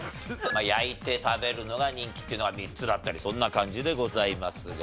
焼いて食べるのが人気というのが３つだったりそんな感じでございますが。